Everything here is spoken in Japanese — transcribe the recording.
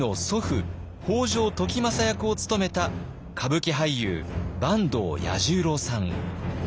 北条時政役を務めた歌舞伎俳優坂東彌十郎さん。